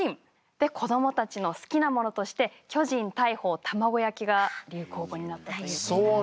子どもたちの好きなものとして「巨人・大鵬・卵焼き」が流行語になったということですね。